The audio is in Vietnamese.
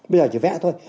bây giờ chỉ vẽ thôi